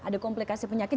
ada komplikasi penyakit